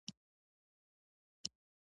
دا د استعدادونو غوړولو ده.